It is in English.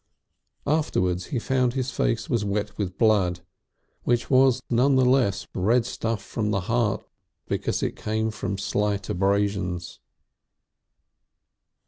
Afterwards he found his face was wet with blood which was none the less red stuff from the heart because it came from slight abrasions.